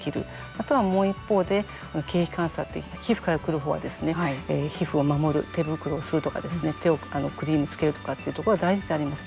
または、もう一方で経皮感作といって皮膚から来るほうは、皮膚を守る手袋をするとか、手をクリームをつけるとかっていうところは大事であります。